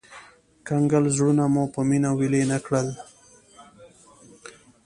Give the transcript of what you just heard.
کنګل زړونه مو په مينه ويلي نه کړل